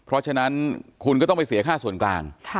เพราะฉะนั้นคุณก็ต้องไปเสียค่าส่วนกลาง